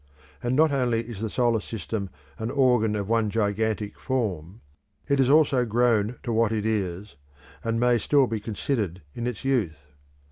And not only is the solar system an organ of one gigantic form; it has also grown to what it is, and may still be considered in its youth.